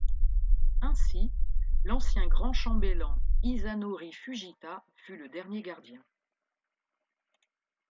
Ainsi, l'ancien grand chambellan Hisanori Fujita fut le dernier Gardien.